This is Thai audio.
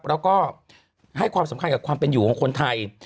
แล้วก็ให้ความสำคัญกับความเป็นอยู่ของคนไทย